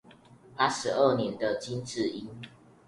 八二年生的金智英